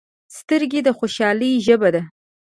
سترګې د خوشحالۍ ژبه ده